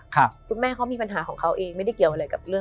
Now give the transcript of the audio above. คุณแม่เขามีปัญหาของเขาเองไม่ได้เกี่ยวอะไรกับเรื่อง